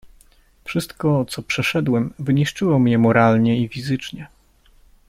"„Wszystko, co przeszedłem, wyniszczyło mię moralnie i fizycznie."